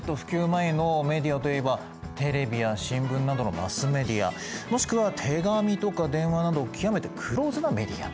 前のメディアといえばテレビや新聞などのマスメディアもしくは手紙とか電話など極めてクローズなメディア。